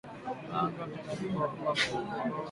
Kaanga mchanganyiko kwa kukoroga